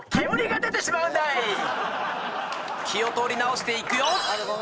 気を取り直していくよ